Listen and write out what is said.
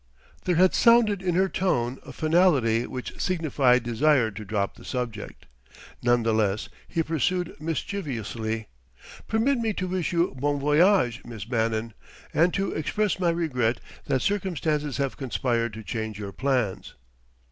There had sounded in her tone a finality which signified desire to drop the subject. None the less, he pursued mischievously: "Permit me to wish you bon voyage, Miss Bannon... and to express my regret that circumstances have conspired to change your plans."